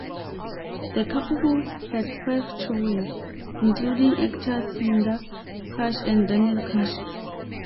The couple had five children, including actors Linda Kash and Daniel Kash.